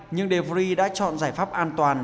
nhưng de vries đã chọn giải pháp an toàn